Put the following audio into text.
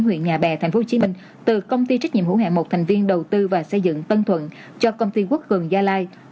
huyện nhà bè tp hcm từ công ty trách nhiệm hữu hạng một thành viên đầu tư và xây dựng tân thuận cho công ty quốc cường gia lai